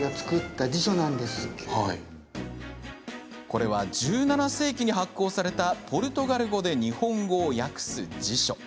これは１７世紀に発行されたポルトガル語で日本語を訳す辞書。